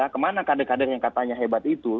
kemana kader kader yang katanya hebat itu